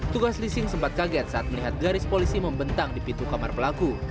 tugas leasing sempat kaget saat melihat garis polisi membentang di pintu kamar pelaku